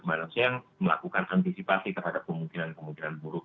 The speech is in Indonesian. manusia yang melakukan antisipasi terhadap kemungkinan kemungkinan buruk